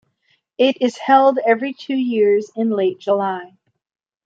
It is held every two years in late July.